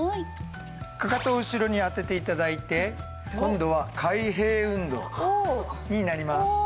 かかとを後ろに当てて頂いて今度は開閉運動になります。